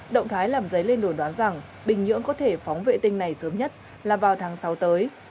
động thái làm dấy lên đồn đoán rằng bình nhưỡng có thể phóng vệ tinh này sớm nhất là vào tháng sáu tới